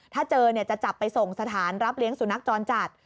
ถ้าเจอจะจับไปส่งสถานรับเลี้ยงสุนัขจรจัด